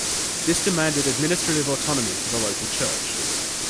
This demanded administrative autonomy for the local church.